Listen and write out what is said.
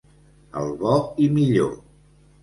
El bo i millor.